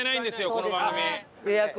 この番組。